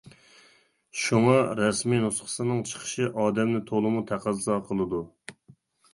شۇڭا رەسمىي نۇسخىسىنىڭ چىقىشى ئادەمنى تولىمۇ تەقەززا قىلىدۇ.